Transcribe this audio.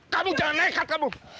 kamu jangan naik kartu kamu